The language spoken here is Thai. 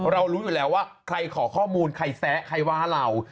รู้อยู่แล้วว่าใครขอข้อมูลใครแซะใครว่าเรา